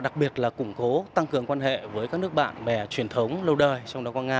đặc biệt là củng cố tăng cường quan hệ với các nước bạn về truyền thống lâu đời trong đó có nga